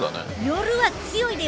夜は強いで！